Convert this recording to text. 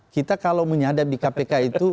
kita kalau menyadap di kpk itu